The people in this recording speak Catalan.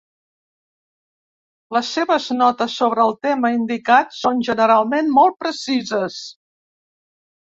Les seves notes sobre el tema indicat són, generalment, molt precises.